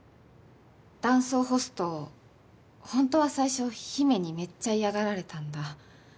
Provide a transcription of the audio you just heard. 男装ホストほんとは最初姫にめっちゃ嫌がられたんだ。